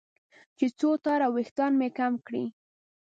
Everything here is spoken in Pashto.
چې څو تاره وېښتان مې کم کړي.